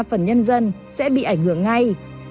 phần nhân dân sẽ bị ảnh hưởng ngay